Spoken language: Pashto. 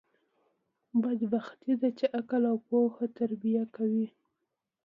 بدبختي ده، چي عقل او پوهه تربیه کوي.